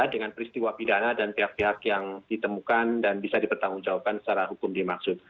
dengan peristiwa pidana dan pihak pihak yang ditemukan dan bisa dipertanggungjawabkan secara hukum dimaksud